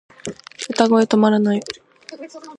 歌声止まらない